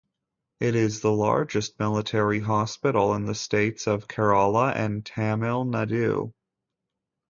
It is the largest military hospital in the states of Kerala and Tamil Nadu.